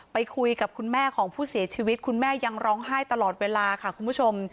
ไปคุยกับคุณแม่ของผู้เสียชีวิตคุณแม่ยังร้องไห้ตลอดเวลาค่ะคุณผู้ชม